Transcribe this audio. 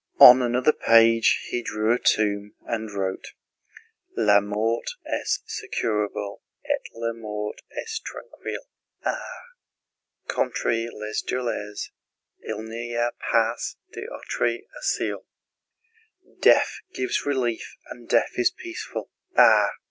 On another page he drew a tomb, and wrote: La mort est secourable et la mort est tranquille. Ah! contre les douleurs il n'y a pas d'autre asile. Death gives relief and death is peaceful. Ah!